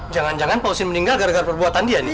jangan jangan pak husein meninggal gara gara perbuatan dia nek